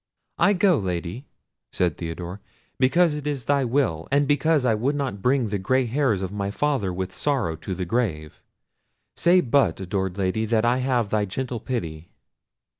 "I go, Lady," said Theodore, "because it is thy will, and because I would not bring the grey hairs of my father with sorrow to the grave. Say but, adored Lady, that I have thy gentle pity."